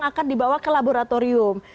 akan dibawa ke laboratorium